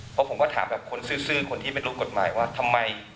เพราะผมก็ถามแบบคนซื้อคนที่ไม่รู้กฎหมายว่าทำไม